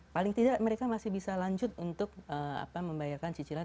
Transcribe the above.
paling tidak mereka masih bisa lanjut untuk membayarkan cicilan